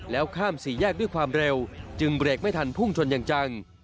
แล้วข้ามสี่แยกด้วยความเร็วจึงเบรกไม่ทันพุ่งชนอย่างจัง